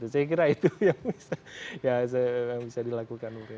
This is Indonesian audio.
saya kira itu yang bisa dilakukan ukrain